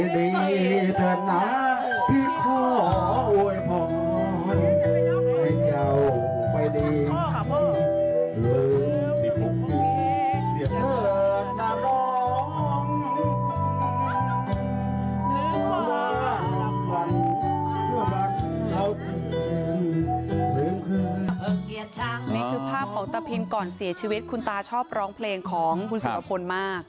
นี่คือภาพของตะพินก่อนเสียชีวิตคุณตาชอบร้องเพลงของคุณสุรพลมาก